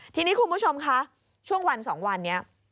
ทีนี้คุณผู้ชมคะช่วงวัน๒วันนี้